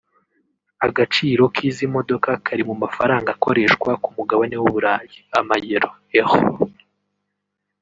Agaciro k’izi modoka kari mu mafaranga akoreshwa ku mugabane w’Uburayi (Amayero/Euros)